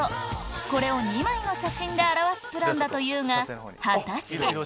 これを２枚の写真で表すプランだというが果たして？